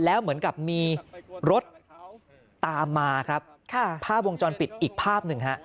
แล้วเหมือนกับมีรถตามมาครับค่ะภาพวงจรปิดอีกภาพหนึ่งฮะ